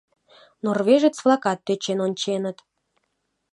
Норвежец-влакат тӧчен онченыт.